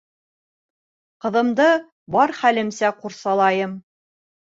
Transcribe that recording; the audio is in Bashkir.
Ҡыҙымды бар хәлемсә ҡурсалайым.